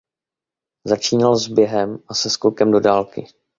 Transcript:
Začínal s během a se skokem do dálky.